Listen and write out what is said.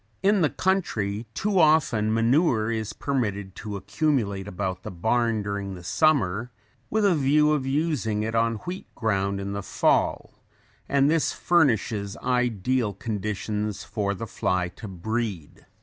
In the country too often manure is permitted to accumulate about the barn during the summer with a view of using it on wheat ground in the fall and this furnishes ideal conditions for the fly to breed.